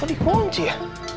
kok dikunci ya